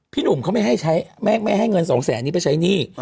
หนุ่มเขาไม่ให้ใช้ไม่ให้เงินสองแสนนี้ไปใช้หนี้